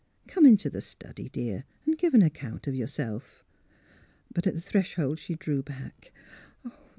" Come into the study, dear, and give an account of yourself." But at the threshold she drew back.